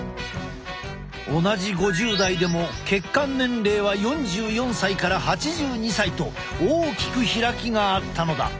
同じ５０代でも血管年齢は４４歳から８２歳と大きく開きがあったのだ。